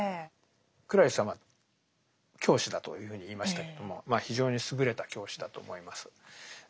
クラリスはまあ教師だというふうに言いましたけども非常に優れた教師だと思います。